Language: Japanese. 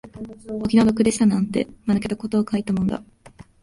お気の毒でしたなんて、間抜けたことを書いたもんだ